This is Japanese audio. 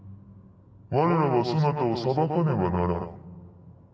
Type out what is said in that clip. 我らはそなたを裁かねばならん。